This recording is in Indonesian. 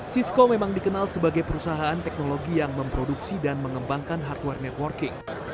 sisko memang dikenal sebagai perusahaan teknologi yang memproduksi dan mengembangkan hardware networking